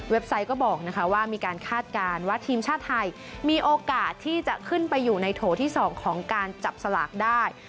ไซต์ก็บอกว่ามีการคาดการณ์ว่าทีมชาติไทยมีโอกาสที่จะขึ้นไปอยู่ในโถที่๒ของการจับสลากได้